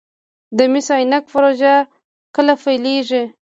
د مس عینک پروژه کله پیلیږي؟